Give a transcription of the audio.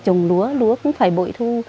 trồng lúa lúa cũng phải bội thu